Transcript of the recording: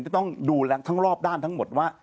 จะต้องดูแลทั้งรอบด้านทั้งหมดว่า